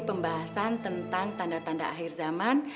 pembahasan tentang tanda tanda akhir zaman